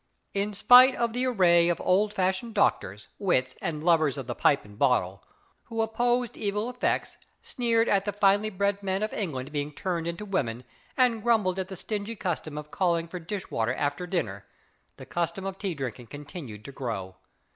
In spite of the array of old fashioned doctors, wits, and lovers of the pipe and bottle, who opposed evil effects, sneered at the finely bred men of England being turned into women, and grumbled at the stingy custom of calling for dish water after dinner, the custom of tea drinking continued to grow.